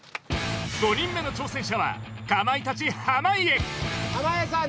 ５人目の挑戦者はかまいたち濱家濱家さん